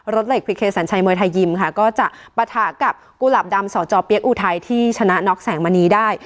เหล็กพลิเคสัญชัยมวยไทยยิมค่ะก็จะปะทะกับกุหลาบดำสจเปี๊ยกอุทัยที่ชนะน็อกแสงมณีได้